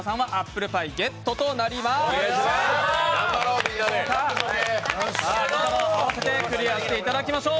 力を合わせてクリアしていただきましょう。